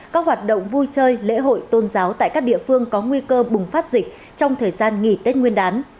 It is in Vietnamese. các hoạt động vui chơi lễ hội tôn giáo tại các địa phương có nguy cơ bùng phát dịch trong thời gian nghỉ tết nguyên đán